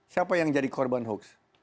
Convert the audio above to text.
siapa yang jadi korban hoax